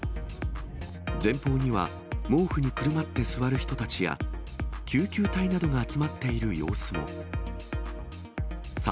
前方には毛布にくるまって座る人たちや、救急隊などが集まっている様子も。